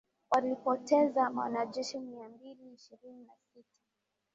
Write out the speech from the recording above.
walipoteza wanajeshi miambili ishirini na sita